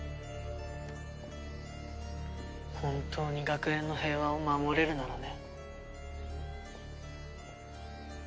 本当に学園の平和を守れるならね。